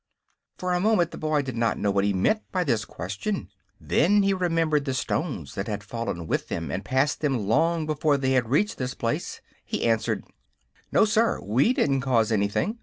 For a moment the boy did not know what he meant by this question. Then, remembering the stones that had fallen with them and passed them long before they had reached this place, he answered: "No, sir; we didn't cause anything.